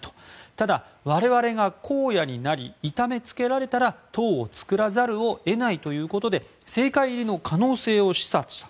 ただ、我々が荒野になり痛めつけられたら党を作らざるを得ないということで政界入りの可能性を示唆する